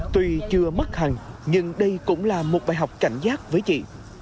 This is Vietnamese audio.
tuy chưa mất hẳn nhưng đây cũng là một bài học cảnh giác với chị